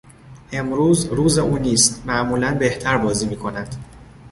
امروز روز او نیست، معمولا بهتر بازی میکند.